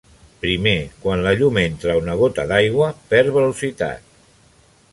Primer, quan la llum entra a una gota d'aigua, perd velocitat.